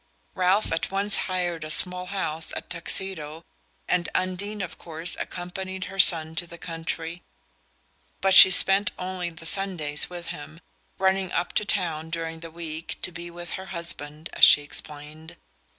Ralph at once hired a small house at Tuxedo and Undine of course accompanied her son to the country; but she spent only the Sundays with him, running up to town during the week to be with her husband, as she explained.